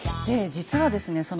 実はですね